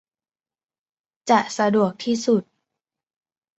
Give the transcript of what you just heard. จะสะดวกที่สุด